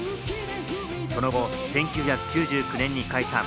その後、１９９９年に解散。